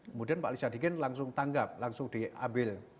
kemudian pak ali sadikin langsung tanggap langsung diambil